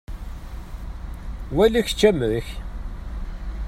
Wali kečč amek.